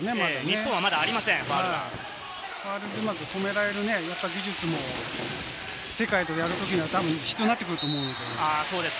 うまく止められる技術も世界とやるときにはたぶん必要になってくると思うので。